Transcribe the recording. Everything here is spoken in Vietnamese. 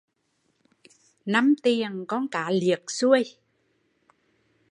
Năm tiền con cá liệt xuôi